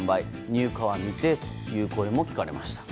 入荷は未定という声も聞かれました。